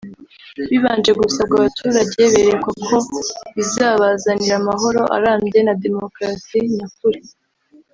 bibanje gusabwa abaturage berekwa ko bizabazanira amahoro arambye na demokarasi nyakuri